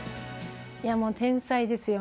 いやもう天才ですよ。